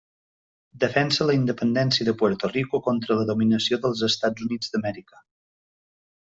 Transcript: Defensa la independència de Puerto Rico contra la dominació dels Estats Units d'Amèrica.